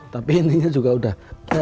tapi intinya juga sudah